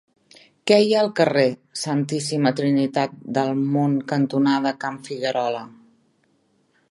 Què hi ha al carrer Santíssima Trinitat del Mont cantonada Can Figuerola?